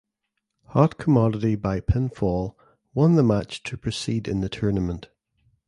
Hot Commodity by pinfall won the match to proceed in the tournament.